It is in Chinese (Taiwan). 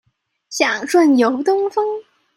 想順遊東峰